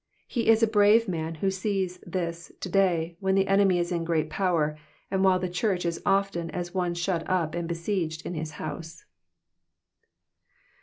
He is a brave man who sees this to day when the enemy is in great power, and while the church is often as one shut up and besieged m his house.